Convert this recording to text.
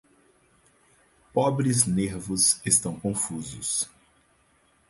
Pobres nervos estão confusos.